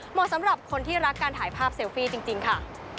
เหมาะสำหรับคนที่รักการถ่ายภาพเซลฟี่จริงค่ะ